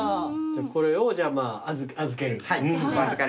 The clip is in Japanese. これをじゃあ預けると。